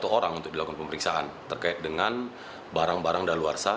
seorang untuk dilakukan pemeriksaan terkait dengan barang barang kadal warsa